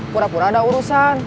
pura pura ada urusan